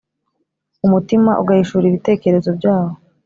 umutima ugahishura ibitekerezo byawo.